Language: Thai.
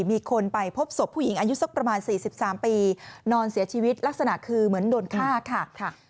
มีคนไปพบศพผู้หญิงอายุสักประมาณ๔๓ปีนอนเสียชีวิตลักษณะคือเหมือนโดนฆ่าค่ะ